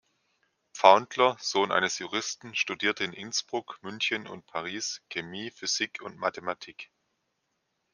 Pfaundler, Sohn eines Juristen, studierte in Innsbruck, München und Paris Chemie, Physik und Mathematik.